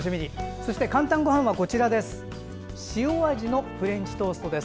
そして「かんたんごはん」は塩味フレンチトーストです。